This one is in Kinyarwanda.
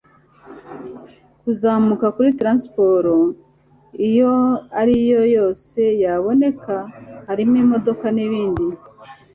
kuzamuka kuri transport iyo ari yo yose yaboneka, harimo amamodoka n'ibindi